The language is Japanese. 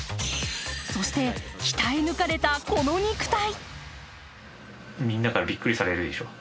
そして、鍛え抜かれたこの肉体。